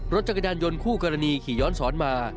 จักรยานยนคู่กรณีขี่ย้อนสอนมา